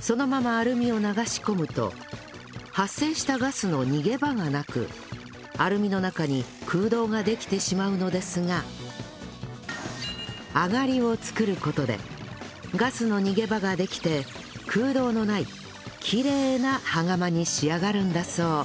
そのままアルミを流し込むと発生したガスの逃げ場がなくアルミの中に空洞ができてしまうのですがあがりを作る事でガスの逃げ場ができて空洞のないきれいな羽釜に仕上がるんだそう